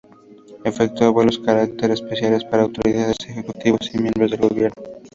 Efectúa vuelos chárter especiales para autoridades, ejecutivos y miembros del gobierno.